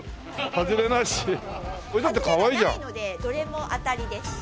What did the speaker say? ハズレがないのでどれも当たりです。